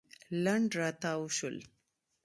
لنډ راتاو شول.